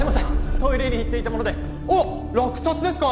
トイレに行っていたものでおっ落札ですか？